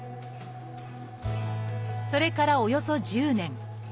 それからおよそ１０年。